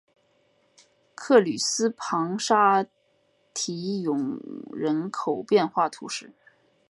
克吕斯旁沙提永人口变化图示